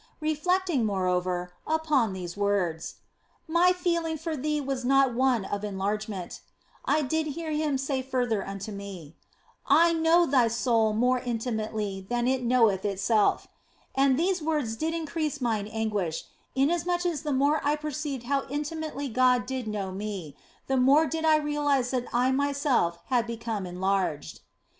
Reflecting, moreover, upon these words, " My feeling for thee was not one of enlarge ment," I did hear Him say further unto me, " I know thy soul more intimately than it knoweth itself," and these words did increase mine anguish, inasmuch as the more I perceived how intimately God did know me, the more did I realise that I myself had become enlarged.